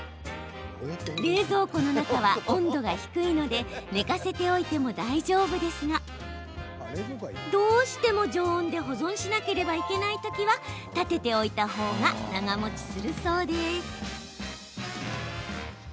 冷蔵庫の中は温度が低いので寝かせておいても大丈夫ですがどうしても常温で保存しなければいけないときは立てておいたほうが長もちするそうです。